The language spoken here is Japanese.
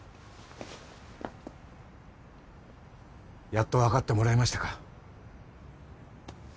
・やっと分かってもらえましたか。